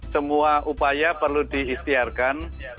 semua upaya perlu diistiharkan